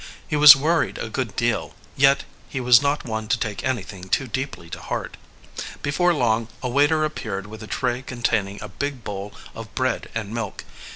He was worried a good deal, yet he was not one to take anything too deeply to heart. Before long a waiter appeared with a tray containing a big bowl of bread and milk.